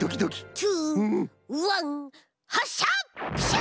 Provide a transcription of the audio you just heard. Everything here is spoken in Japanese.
ツーワンはっしゃ！